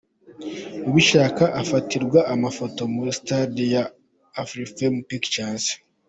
Ubishaka afatirwa amafoto mu Studio ya Afrifame Pictures.